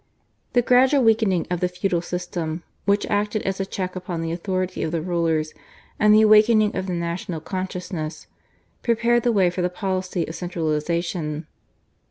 The gradual weakening of the Feudal System, which acted as a check upon the authority of the rulers, and the awakening of the national consciousness, prepared the way for the policy of centralisation.